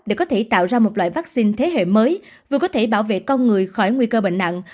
để có thể tạo ra một loại vaccine thế hệ mới vừa có thể bảo vệ con người khỏi nguy cơ bệnh nặng